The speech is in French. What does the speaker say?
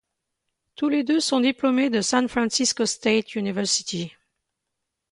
Tous les deux sont diplômés de San Francisco State University.